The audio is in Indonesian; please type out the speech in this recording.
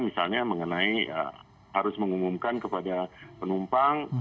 misalnya mengenai harus mengumumkan kepada penumpang